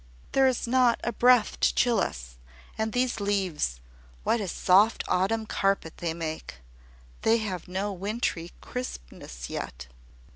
"There is not a breath to chill us; and these leaves what a soft autumn carpet they make! They have no wintry crispness yet."